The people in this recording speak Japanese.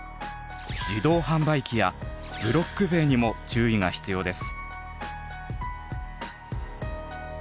自動販売機やブロック塀にも注意が必要です。